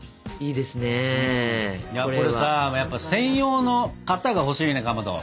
いやこれさやっぱ専用の型が欲しいねかまど。